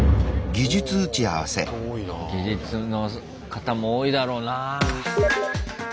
技術の方も多いだろうな。